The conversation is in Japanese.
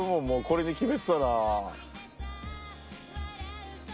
もうコレで決めてたな。